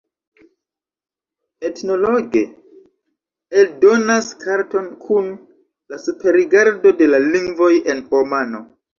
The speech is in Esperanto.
Ethnologue eldonas karton kun la superrigardo de la lingvoj en Omano.